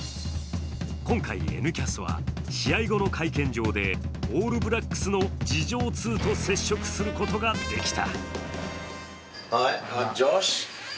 今回「Ｎキャス」は試合後の会見場でオールブラックスの事情通と接触することができた。